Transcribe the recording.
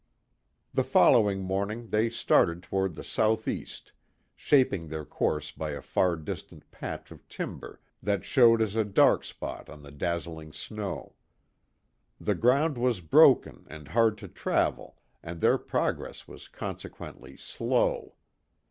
The following morning they started toward the southeast, shaping their course by a far distant patch of timber that showed as a dark spot on the dazzling snow. The ground was broken and hard to travel, and their progress was consequently slow.